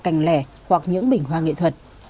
cành lẻ hoặc những bình hoa nghệ thuật